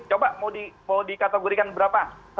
coba mau dikategorikan berapa